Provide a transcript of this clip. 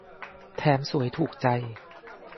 แถมสวยถูกใจ